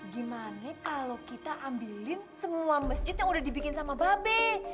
gimana kalau kita ambilin semua masjid yang udah dibikin sama babe